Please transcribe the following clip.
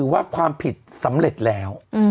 ว่าความผิดสำเร็จแล้ว